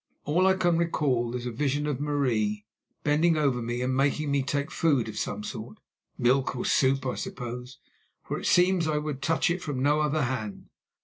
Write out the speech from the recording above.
All I can recall is a vision of Marie bending over me and making me take food of some sort—milk or soup, I suppose—for it seems I would touch it from no other hand.